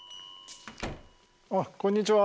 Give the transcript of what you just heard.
ああこんにちは。